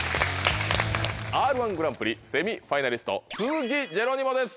『Ｒ−１グランプリ』セミファイナリスト鈴木ジェロニモです